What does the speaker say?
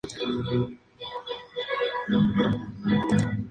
Editado en Madrid, estaba impreso en la imprenta de J. Ibarra.